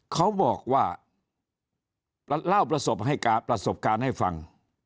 เขาบอกว่าเล่าประสบการณ์ให้ฟัง